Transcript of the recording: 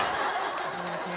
すいません。